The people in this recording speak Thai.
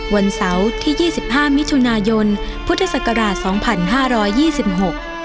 วันเสาที่๒๕มิถุนายนพุทธศักราช๒๕๒๖